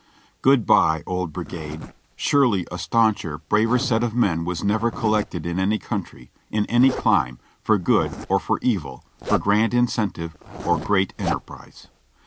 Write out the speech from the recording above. Good by, old brigade! surely a stauncher, braver set of men was never collected in any country, in any clime, for good or for evil, for grand incentive or great enterprise.